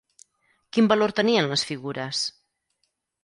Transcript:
Quin valor tenien les figures?